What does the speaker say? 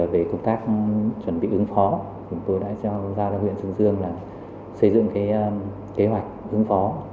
về công tác chuẩn bị ứng phó chúng tôi đã cho ra đoàn viện sơn dương xây dựng kế hoạch ứng phó